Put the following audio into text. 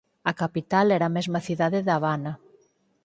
A capital era a mesma Cidade da Habana.